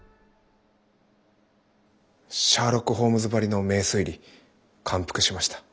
シャーロック・ホームズばりの名推理感服しました。